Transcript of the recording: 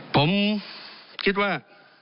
ผมคิดว่า